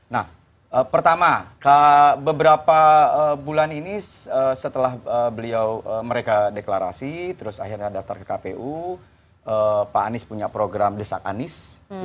nah pertama beberapa bulan ini setelah beliau mereka deklarasi terus akhirnya daftar ke kpu pak anies punya program desak anies